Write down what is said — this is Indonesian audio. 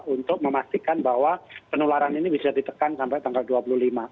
untuk memastikan bahwa penularan ini bisa ditekan sampai tanggal dua puluh lima